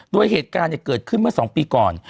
โดยเหตุการณ์เกิดขึ้นเมื่อ๒ปีก่อน